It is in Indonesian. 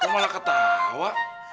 kamu malah ketawa